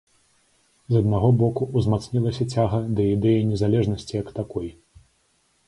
З аднаго боку, узмацнілася цяга да ідэі незалежнасці як такой.